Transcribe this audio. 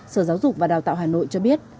sở giáo dục và đào tạo hà nội cho biết